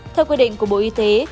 theo quy định của bộ y tế